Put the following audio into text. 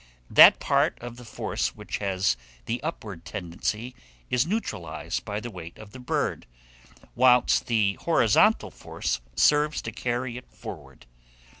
That part of the force which has the upward tendency is neutralized by the weight of the bird, whilst the horizontal force serves to carry it forward.